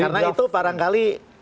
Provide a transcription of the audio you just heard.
karena itu barangkali